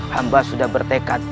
hamba sudah bertekad